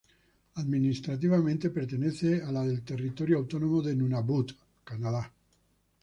Administrativamente, pertenece a la del Territorio Autónomo de Nunavut, Canadá.